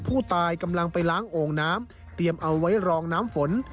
ผู้ตายกำลังไปล้างโอ่งน้ำเตรียมเอาไว้รองน้ำฝน